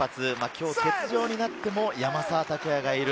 今日は欠場になっても、山沢拓也がいる。